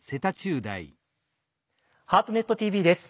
「ハートネットＴＶ」です。